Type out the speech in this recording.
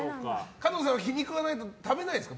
加藤さん、気に食わないと食べないんですか？